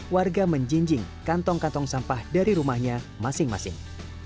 warga menjinjing kantong kantong sampah dari rumahnya masing masing